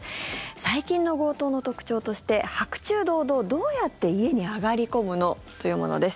最近の強盗の特徴として白昼堂々どうやって家に上がり込むの？というものです。